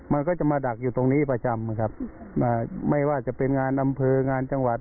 มันก็จะมาดักอยู่ตรงนี้ประจำนะครับอ่าไม่ว่าจะเป็นงานอำเภองานจังหวัด